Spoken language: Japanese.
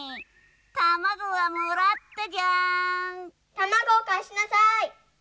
たまごをかえしなさい！